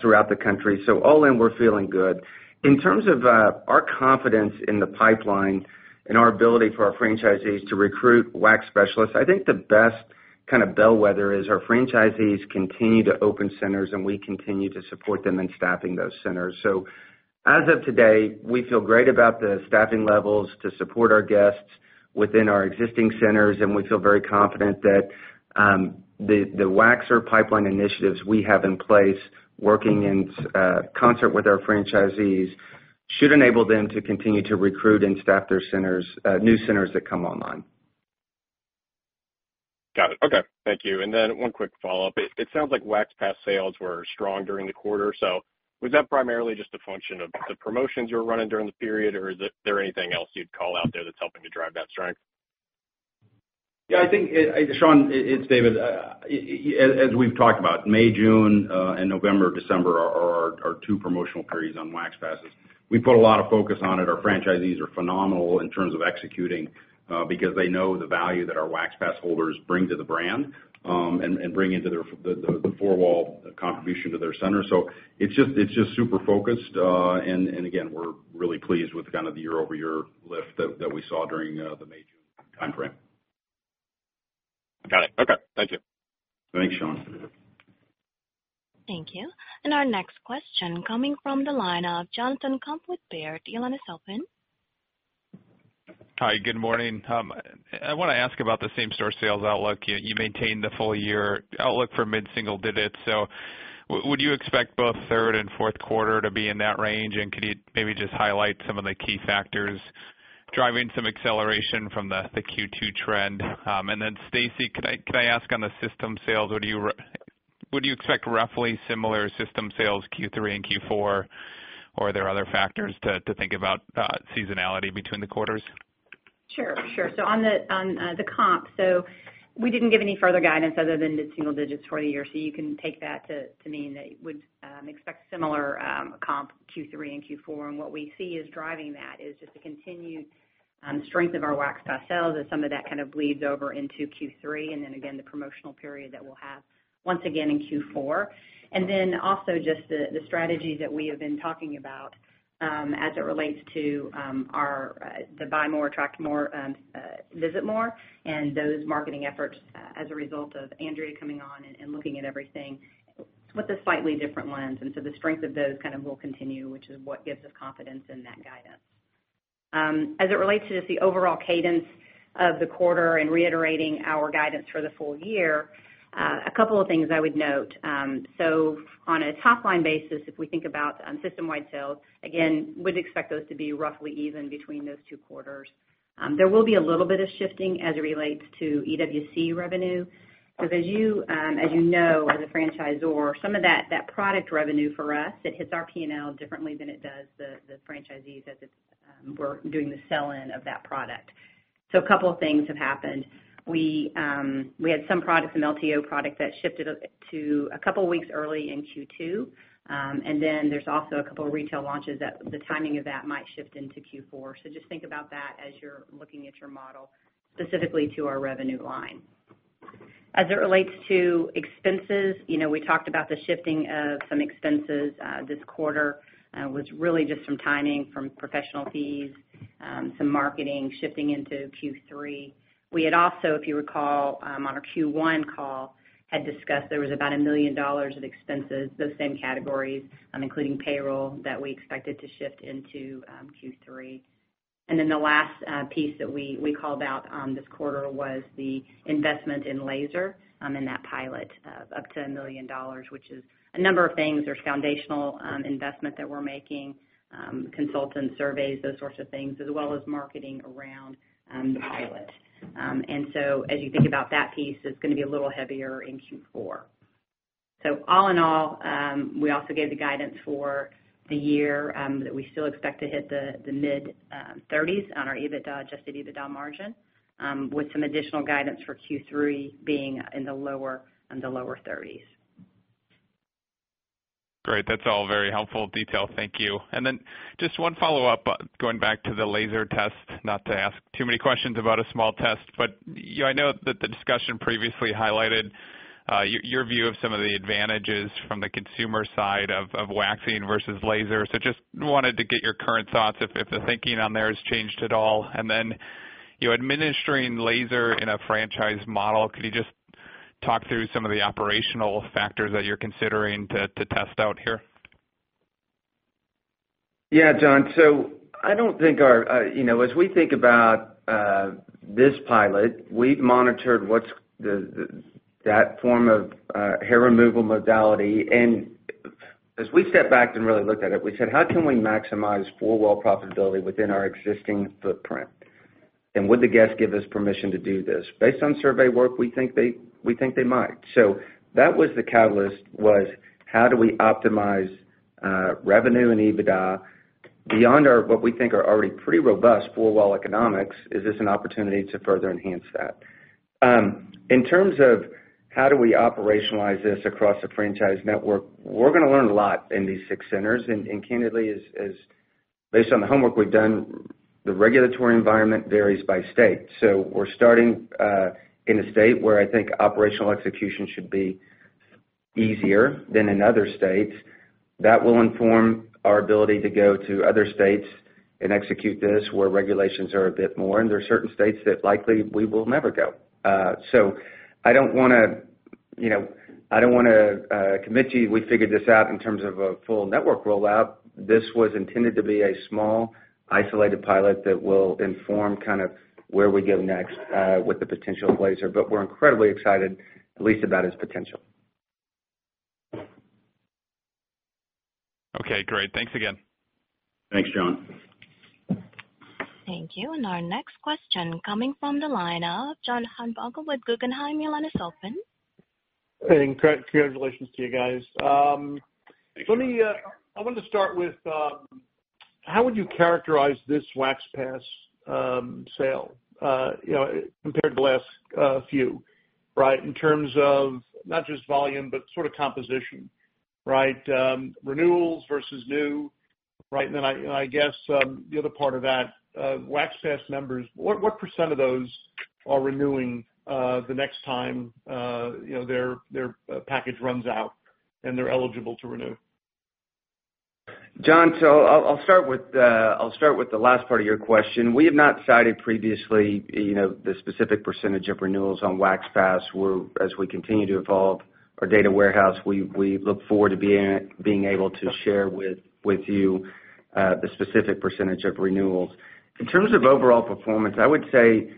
throughout the country. All in, we're feeling good. In terms of our confidence in the pipeline and our ability for our franchisees to recruit Wax Specialists, I think the best kind of bellwether is our franchisees continue to open centers, and we continue to support them in staffing those centers. As of today, we feel great about the staffing levels to support our guests within our existing centers, and we feel very confident that the waxer pipeline initiatives we have in place, working in concert with our franchisees, should enable them to continue to recruit and staff their centers, new centers that come online. Got it. Okay, thank you. Then one quick follow-up. It sounds like Wax Pass sales were strong during the quarter, was that primarily just a function of the promotions you were running during the period, or is there anything else you'd call out there that's helping to drive that strength? Yeah, I think, Josh, it's David. As, as we've talked about, May, June, and November, December are, are our two promotional periods on Wax Passes. We put a lot of focus on it. Our franchisees are phenomenal in terms of executing, because they know the value that our Wax Pass holders bring to the brand, and, and bring into their, the, the four-wall contribution to their center. It's just, it's just super focused. And, and again, we're really pleased with kind of the year-over-year lift that, that we saw during, the May, June time frame. Got it. Okay. Thank you. Thanks, Josh. Thank you. Our next question coming from the line of Jonathan Komp with Baird. Your line is open. Hi, good morning. I want to ask about the same-store sales outlook. You, you maintained the full year outlook for mid-single digits. Would you expect both third and fourth quarter to be in that range? Could you maybe just highlight some of the key factors driving some acceleration from the, the Q2 trend? Stacie, could I, could I ask on the system sales, would you would you expect roughly similar system sales Q3 and Q4, or are there other factors to, to think about, seasonality between the quarters? Sure, sure. On the, on the comp, so we didn't give any further guidance other than mid-single digits for the year, so you can take that to mean that you would expect similar comp Q3 and Q4. What we see is driving that is just the continued strength of our Wax Pass sales, and some of that kind of bleeds over into Q3, and then again, the promotional period that we'll have once again in Q4. Then also just the, the strategies that we have been talking about as it relates to our, the Buy More, Attract More, Visit More, and those marketing efforts as a result of Andrea coming on and, and looking at everything with a slightly different lens. The strength of those kind of will continue, which is what gives us confidence in that guidance. As it relates to just the overall cadence of the quarter and reiterating our guidance for the full year, a couple of things I would note. On a top line basis, if we think about on system-wide sales, again, would expect those to be roughly even between those two quarters. There will be a little bit of shifting as it relates to EWC revenue. Because as you, as you know, as a franchisor, some of that, that product revenue for us, it hits our P&L differently than it does the, the franchisees as it's, we're doing the sell-in of that product. A couple of things have happened. We had some products, some LTO product that shifted to 2 weeks early in Q2. There's also 2 retail launches that the timing of that might shift into Q4. Just think about that as you're looking at your model, specifically to our revenue line. As it relates to expenses, you know, we talked about the shifting of some expenses this quarter was really just some timing from professional fees, some marketing shifting into Q3. We had also, if you recall, on our Q1 call, had discussed there was about $1 million of expenses, those same categories, including payroll, that we expected to shift into Q3. The last piece that we called out this quarter was the investment in laser in that pilot of up to $1 million, which is a number of things. There's foundational investment that we're making, consultants, surveys, those sorts of things, as well as marketing around the pilot. As you think about that piece, it's gonna be a little heavier in Q4. We also gave the guidance for the year that we still expect to hit the mid-30s on our EBITDA, Adjusted EBITDA margin, with some additional guidance for Q3 being in the lower 30s. Great. That's all very helpful detail. Thank you. Just one follow-up, going back to the laser test, not to ask too many questions about a small test, but, you know, I know that the discussion previously highlighted your view of some of the advantages from the consumer side of waxing versus laser. Just wanted to get your current thoughts if the thinking on there has changed at all. You administering laser in a franchise model, could you just talk through some of the operational factors that you're considering to test out here? Yeah, Jon, I don't think our, you know, as we think about, this pilot, we've monitored what's the, the, that form of, hair removal modality. As we stepped back and really looked at it, we said, "How can we maximize four-wall profitability within our existing footprint? And would the guests give us permission to do this?" Based on survey work, we think they, we think they might. That was the catalyst, was how do we optimize, revenue and EBITDA beyond our, what we think are already pretty robust four-wall economics, is this an opportunity to further enhance that? In terms of how do we operationalize this across the franchise network, we're gonna learn a lot in these 6 centers. Candidly, as, as based on the homework we've done, the regulatory environment varies by state. We're starting in a state where I think operational execution should be easier than in other states. That will inform our ability to go to other states and execute this, where regulations are a bit more, and there are certain states that likely we will never go. I don't wanna, you know, I don't wanna commit to you we figured this out in terms of a full network rollout. This was intended to be a small, isolated pilot that will inform kind of where we go next with the potential of laser. We're incredibly excited, at least about its potential. Okay, great. Thanks again. Thanks, Jon. Thank you. Our next question coming from the line of John Heinbockel with Guggenheim, your line is open. Hey, congratulations to you guys. Thank you. Let me, I wanted to start with, how would you characterize this Wax Pass sale, you know, compared to the last few, right? In terms of not just volume, but sort of composition, right? Renewals versus new, right? Then I, I guess, the other part of that, Wax Pass members, what, what percent of those are renewing, the next time, you know, their, their, package runs out and they're eligible to renew? John, so I'll start with the last part of your question. We have not cited previously, you know, the specific percentage of renewals on Wax Pass, where as we continue to evolve our data warehouse, we look forward to being able to share with you the specific percentage of renewals. In terms of overall performance, I would say,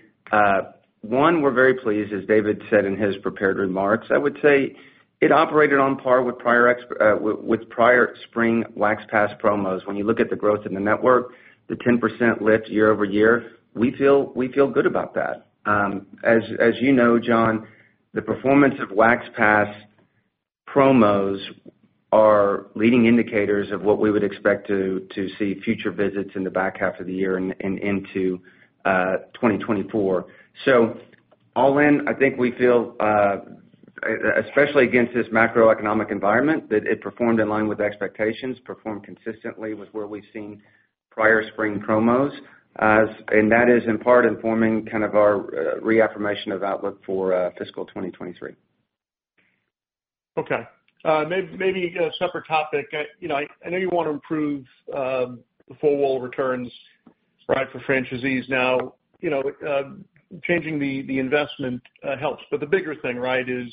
one, we're very pleased, as David Berg said in his prepared remarks. I would say it operated on par with prior spring Wax Pass promos. When you look at the growth in the network, the 10% lift year-over-year, we feel good about that. As, as you know, John, the performance of Wax Pass promos are leading indicators of what we would expect to, to see future visits in the back half of the year and, and into 2024. All in, I think we feel, especially against this macroeconomic environment, that it performed in line with expectations, performed consistently with where we've seen prior spring promos. That is in part informing kind of our reaffirmation of outlook for fiscal 2023. Okay. Maybe a separate topic. You know, I, I know you want to improve the four-wall returns, right, for franchisees now. You know, changing the investment helps, but the bigger thing, right, is...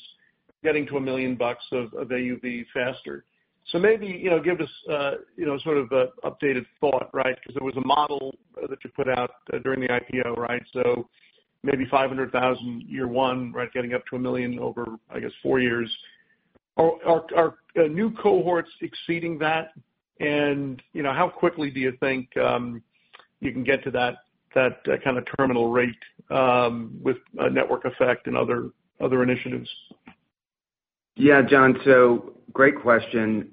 getting to $1 million of, of AUV faster. Maybe, you know, give us, you know, sort of, updated thought, right? There was a model that you put out during the IPO, right? Maybe $500,000 year one, right, getting up to $1 million over, I guess, four years. Are new cohorts exceeding that? You know, how quickly do you think you can get to that, that kind of terminal rate with a network effect and other, other initiatives? John, great question.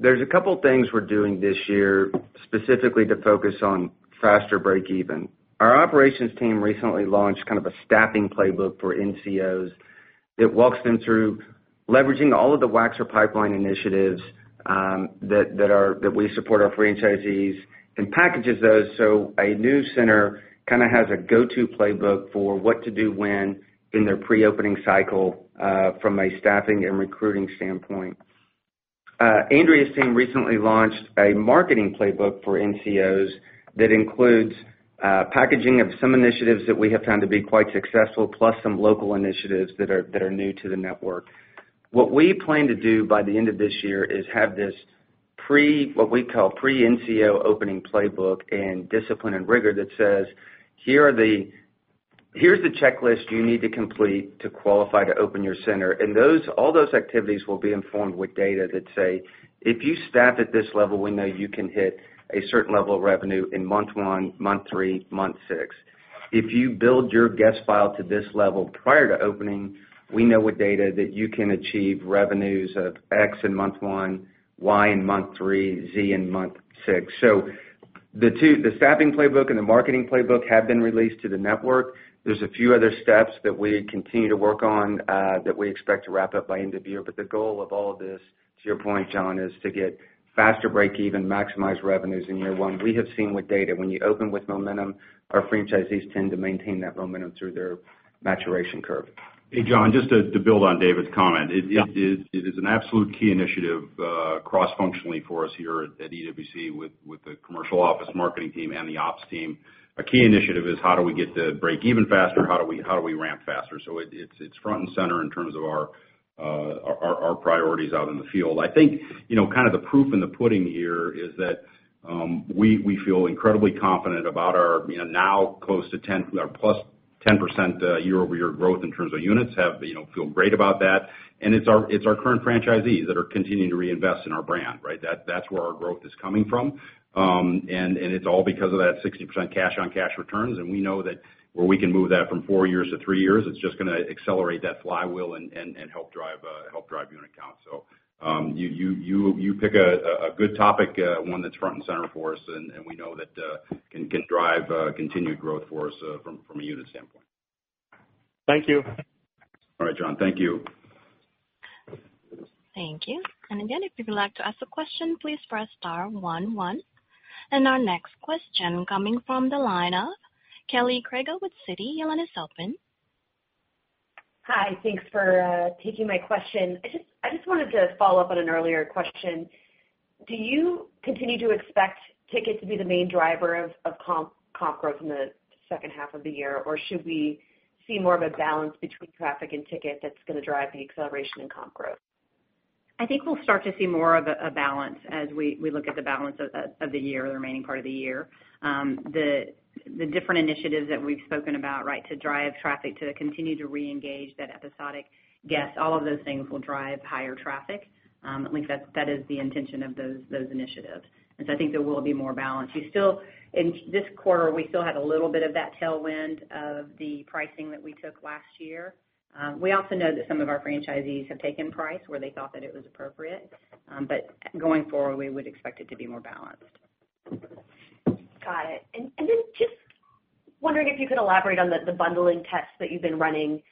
There's a couple things we're doing this year, specifically to focus on faster break even. Our operations team recently launched kind of a staffing playbook for NCOs that walks them through leveraging all of the waxer pipeline initiatives that we support our franchisees and packages those, so a new center kind of has a go-to playbook for what to do when in their pre-opening cycle from a staffing and recruiting standpoint. Andrea's team recently launched a marketing playbook for NCOs that includes packaging of some initiatives that we have found to be quite successful, plus some local initiatives that are new to the network. What we plan to do by the end of this year is have this pre, what we call pre-NCO opening playbook and discipline and rigor that says, "Here's the checklist you need to complete to qualify to open your center." All those activities will be informed with data that say, "If you staff at this level, we know you can hit a certain level of revenue in month 1, month 3, month 6. If you build your guest file to this level prior to opening, we know what data that you can achieve revenues of X in month 1, Y in month 3, Z in month 6." The two, the staffing playbook and the marketing playbook have been released to the network. There's a few other steps that we continue to work on, that we expect to wrap up by end of year. The goal of all of this, to your point, John, is to get faster break even, maximize revenues in year 1. We have seen with data, when you open with momentum, our franchisees tend to maintain that momentum through their maturation curve. Hey, John, just to, to build on David's comment. Yeah. It, it, it is an absolute key initiative, cross-functionally for us here at EWC with the commercial office marketing team and the ops team. A key initiative is how do we get to break even faster? How do we, how do we ramp faster? It, it's, it's front and center in terms of our, our, our priorities out in the field. I think, you know, kind of the proof in the pudding here is that we, we feel incredibly confident about our, you know, now close to 10, our +10% year-over-year growth in terms of units have, you know, feel great about that. It's our, it's our current franchisees that are continuing to reinvest in our brand, right? That's where our growth is coming from. It's all because of that 60% cash on cash returns, and we know that where we can move that from 4 years to 3 years, it's just gonna accelerate that flywheel and help drive unit count. You pick a good topic, one that's front and center for us, and we know that can drive continued growth for us from a unit standpoint. Thank you. All right, John. Thank you. Thank you. Again, if you'd like to ask a question, please press star one, one. Our next question coming from the line of Kelly Crago with Citi, your line is open. Hi, thanks for taking my question. I just wanted to follow up on an earlier question. Do you continue to expect ticket to be the main driver of comp growth in the second half of the year? Or should we see more of a balance between traffic and ticket that's gonna drive the acceleration in comp growth? I think we'll start to see more of a, a balance as we, we look at the balance of the, of the year, the remaining part of the year. The, the different initiatives that we've spoken about, right, to drive traffic, to continue to reengage that episodic guest, all of those things will drive higher traffic. At least that's, that is the intention of those, those initiatives. And so I think there will be more balance. We still, in this quarter, we still had a little bit of that tailwind of the pricing that we took last year. We also know that some of our franchisees have taken price where they thought that it was appropriate, but going forward, we would expect it to be more balanced. Got it. Then just wondering if you could elaborate on the bundling tests that you've been running.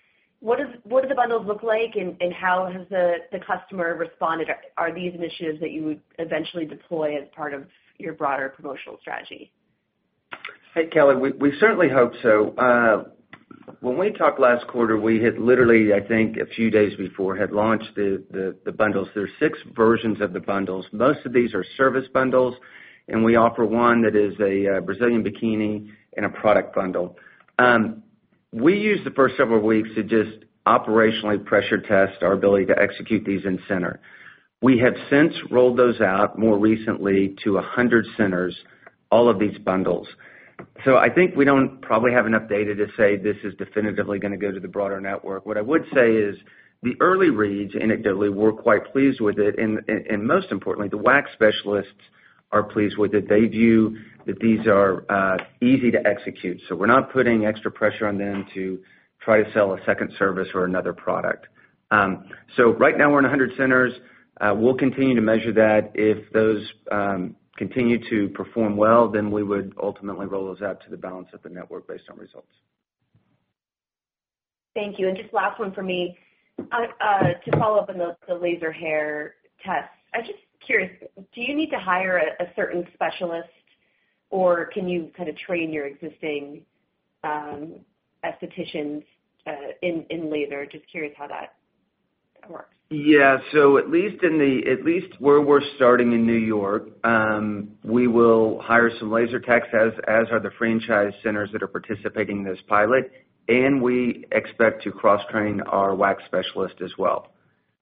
What do the bundles look like, and how has the customer responded? Are these initiatives that you would eventually deploy as part of your broader promotional strategy? Hey, Kelly Crago, we, we certainly hope so. When we talked last quarter, we had literally, I think, a few days before, had launched the, the, the bundles. There are six versions of the bundles. Most of these are service bundles, and we offer one that is a Brazilian bikini and a product bundle. We used the first several weeks to just operationally pressure test our ability to execute these in center. We have since rolled those out more recently to 100 centers, all of these bundles. I think we don't probably have enough data to say this is definitively gonna go to the broader network. What I would say is, the early reads, anecdotally, we're quite pleased with it, and, and, and most importantly, the Wax Specialists are pleased with it. They view that these are easy to execute. We're not putting extra pressure on them to try to sell a second service or another product. Right now, we're in 100 centers. We'll continue to measure that. If those continue to perform well, then we would ultimately roll those out to the balance of the network based on results. Thank you. Just last one for me. To follow up on the laser hair test, I'm just curious, do you need to hire a certain specialist, or can you kind of train your existing aestheticians in laser? Just curious how that works. Yeah. At least at least where we're starting in New York, we will hire some laser techs, as, as are the franchise centers that are participating in this pilot, and we expect to cross-train our Wax Specialists as well.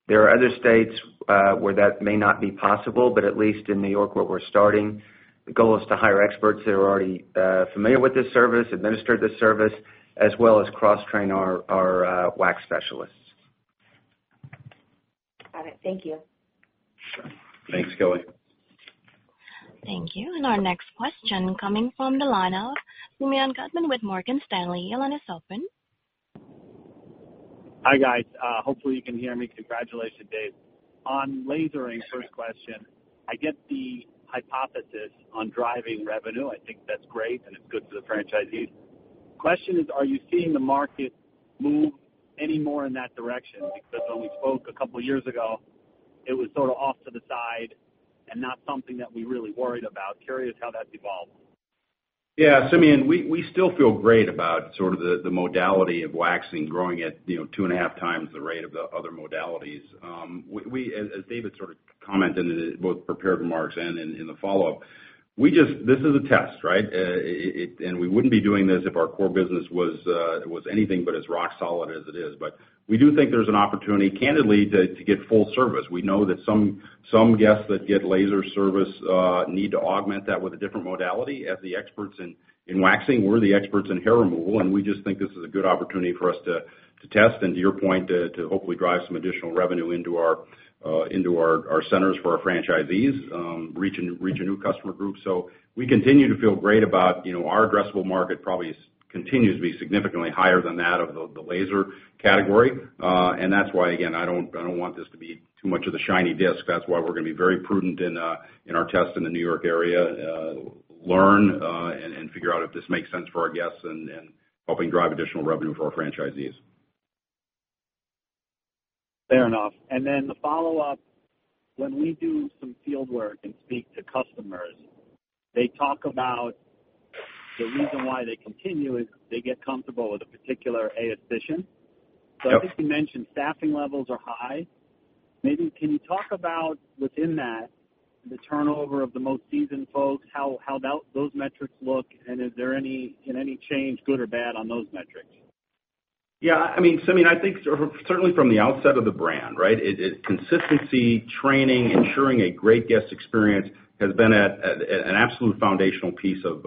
There are other states, where that may not be possible, but at least in New York, where we're starting, the goal is to hire experts that are already familiar with this service, administered this service, as well as cross-train our, our, Wax Specialists. Got it. Thank you. Sure. Thanks, Kelly. Thank you. Our next question coming from the line of Simeon Gutman with Morgan Stanley. Your line is open. Hi, guys. Hopefully you can hear me. Congratulations, Dave. On lasering, first question, I get the hypothesis on driving revenue. I think that's great, and it's good for the franchisees. Question is, are you seeing the market move any more in that direction? When we spoke a couple years ago, it was sort of off to the side and not something that we really worried about. Curious how that's evolved. Yeah, Simeon, we still feel great about sort of the modality of waxing growing at, you know, 2.5x the rate of the other modalities. As David sort of commented in the both prepared remarks and in the follow-up, we just this is a test, right? We wouldn't be doing this if our core business was anything but as rock solid as it is. We do think there's an opportunity, candidly, to get full service. We know that some guests that get laser service need to augment that with a different modality. As the experts in, in waxing, we're the experts in hair removal, and we just think this is a good opportunity for us to, to test, and to your point, to hopefully drive some additional revenue into our, into our, our centers for our franchisees, reach a, reach a new customer group. We continue to feel great about, you know, our addressable market probably continues to be significantly higher than that of the, the laser category. That's why, again, I don't, I don't want this to be too much of the shiny disk. That's why we're gonna be very prudent in our tests in the New York area. Learn, and figure out if this makes sense for our guests and helping drive additional revenue for our franchisees. Fair enough. Then the follow-up, when we do some field work and speak to customers, they talk about the reason why they continue is they get comfortable with a particular aesthetician. Yeah. I guess you mentioned staffing levels are high. Maybe can you talk about within that, the turnover of the most seasoned folks, how that, those metrics look, and is there any change, good or bad, on those metrics? Yeah. I mean, Simeon, I think sort of certainly from the outset of the brand, right? It, consistency, training, ensuring a great guest experience has been at an absolute foundational piece of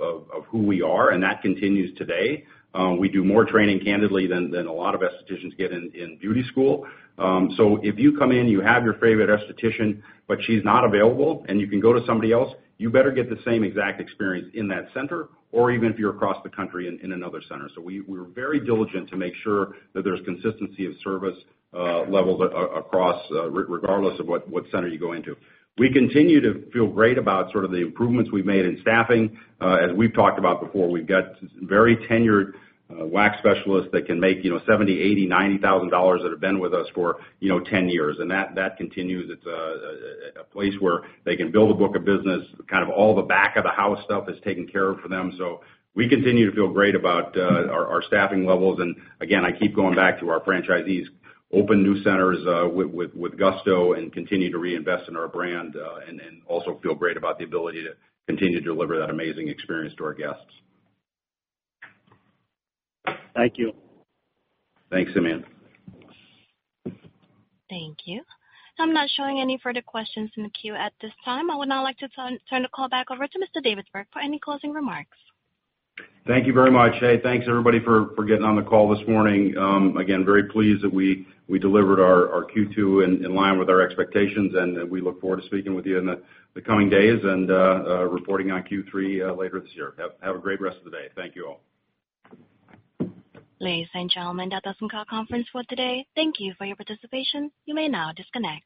who we are, and that continues today. We do more training, candidly, than a lot of aestheticians get in beauty school. If you come in, you have your favorite aesthetician, but she's not available, and you can go to somebody else, you better get the same exact experience in that center or even if you're across the country in another center. We, we're very diligent to make sure that there's consistency of service, levels across, regardless of what center you go into. We continue to feel great about sort of the improvements we've made in staffing. As we've talked about before, we've got very tenured Wax Specialists that can make, you know, $70,000, $80,000, $90,000 that have been with us for, you know, 10 years, and that, that continues. It's a, a, a place where they can build a book of business, kind of all the back of the house stuff is taken care of for them. We continue to feel great about our, our staffing levels. Again, I keep going back to our franchisees, open new centers with, with, with Gusto and continue to reinvest in our brand, and, and also feel great about the ability to continue to deliver that amazing experience to our guests. Thank you. Thanks, Simeon. Thank you. I'm not showing any further questions in the queue at this time. I would now like to turn the call back over to Mr. David Berg for any closing remarks. Thank you very much, hey, thanks, everybody, for, for getting on the call this morning. Again, very pleased that we, we delivered our Q2 in line with our expectations, and we look forward to speaking with you in the coming days and reporting on Q3 later this year. Have a great rest of the day. Thank you, all. Ladies and gentlemen, that does end our conference for today. Thank you for your participation. You may now disconnect.